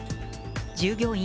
従業員